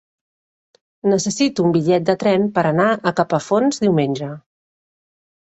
Necessito un bitllet de tren per anar a Capafonts diumenge.